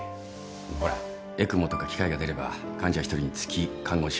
ほらＥＣＭＯとか機械が出れば患者１人につき看護師は２人。